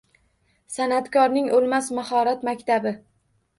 San’atkorning o‘lmas mahorat maktabi